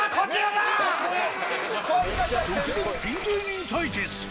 毒舌ピン芸人対決。